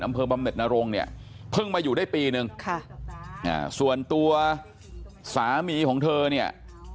อำเภอบำเนิดนโรงเนี่ยเพิ่งมาอยู่ได้ปีหนึ่งส่วนตัวสามีของเธอเนี่ย